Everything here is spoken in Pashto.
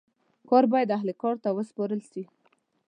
کار باید اهل کار ته وسپارل سي.